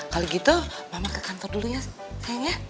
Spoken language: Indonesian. kali gitu mama ke kantor dulu ya sayang ya